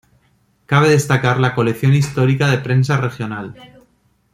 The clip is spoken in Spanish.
Cabe destacar la colección histórica de prensa regional.